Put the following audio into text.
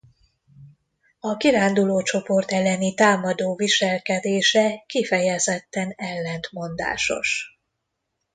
A kiránduló csoport elleni támadó viselkedése kifejezetten ellentmondásos.